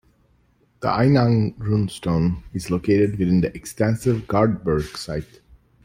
The Einang runestone is located within the extensive Gardberg site.